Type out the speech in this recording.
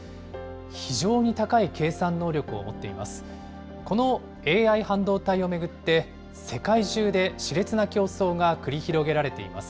非常に高い計算能力を持っています。